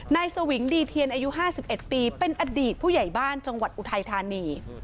นายสวิงดีเทียนอายุ๕๑ปีเป็นอดีตผู้ใหญ่บ้านจังหวัดอุทัยธานี